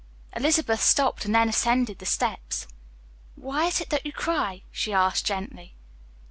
Elizabeth stopped and then ascended the steps. "Why is it that you cry?" she asked gently.